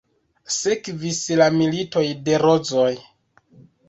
Sekvis la Militoj de Rozoj.